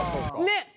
「ねっ！」